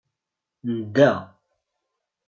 Ndda.